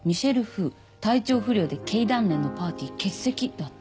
「体調不良で経団連のパーティー欠席」だって。